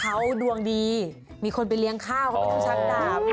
เขาดวงดีมีคนไปเรียงข้าวเขาไปชักดาบ